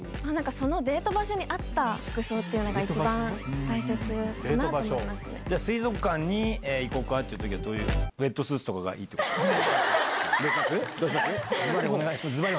そのデート場所に合った服装っていうのが一番大切かなと思い水族館に行こうかっていうときは、どういう、ウェットスーツとかがいいの？